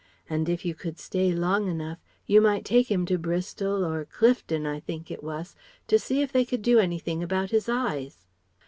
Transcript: And if you could stay long enough, you might take him to Bristol or Clifton I think it wass to see if they could do anything about his eyes....